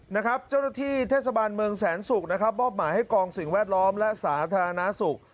เจ้าหน้าที่เทศบาลเมืองแสนศุกร์นะครับมอบหมายให้กองสิ่งแวดล้อมและสาธารณสุข